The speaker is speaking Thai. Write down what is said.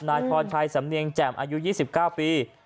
นายควรรภ์ชายสำเนียงแจมอายุ๒๙ปี